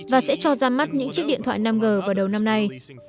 và sẽ cho ra mắt những chiếc điện thoại năm g vào đầu năm nay